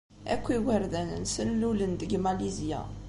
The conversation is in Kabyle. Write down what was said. Akk igerdan-nsen lulen-d deg Malizya.